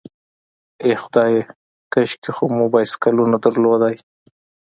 آه خدایه، کاشکې خو مو بایسکلونه درلودای.